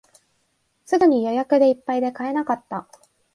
すぐに予約でいっぱいで買えなかった